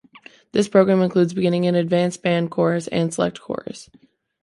This program includes Beginning and Advanced Band, Chorus, and Select Chorus.